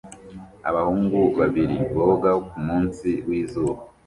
Abahungu babiri boga kumunsi wizuba